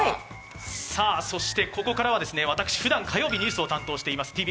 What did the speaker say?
そして、ここからは私ふだん火曜日ニュースを担当しています